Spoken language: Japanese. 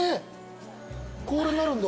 これなるんだ。